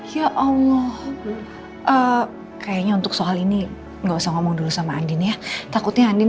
ya allah kayaknya untuk soal ini enggak usah ngomong dulu sama andin ya takutnya andin